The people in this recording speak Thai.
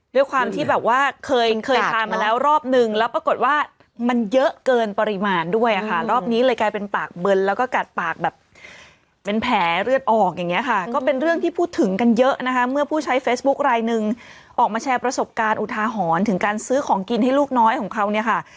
ด้วยความที่แบบว่าเคยเคยทานมาแล้วรอบนึงแล้วปรากฏว่ามันเยอะเกินปริมาณด้วยค่ะรอบนี้เลยกลายเป็นปากเบิร์นแล้วก็กัดปากแบบเป็นแผลเลือดออกอย่างเงี้ค่ะก็เป็นเรื่องที่พูดถึงกันเยอะนะคะเมื่อผู้ใช้เฟซบุ๊คลายหนึ่งออกมาแชร์ประสบการณ์อุทาหรณ์ถึงการซื้อของกินให้ลูกน้อยของเขาเนี่ยค่ะ